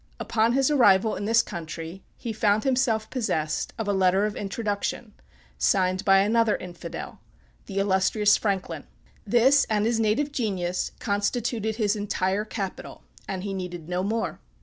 Upon his arrival in this country, he found himself possessed of a letter of introduction, signed by another Infidel, the illustrious Franklin. This, and his native genius, constituted his entire capital; and he needed no more.